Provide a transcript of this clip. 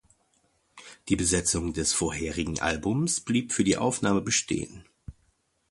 Die Besetzung des vorherigen Albums blieb für die Aufnahme bestehen.